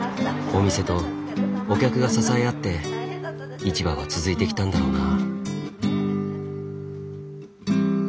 お店とお客が支え合って市場は続いてきたんだろうな。